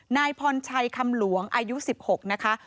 นายพรชัยคำหลวงอายุ๑๖นะคะ